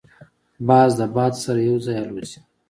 باز د باد سره یو ځای الوزي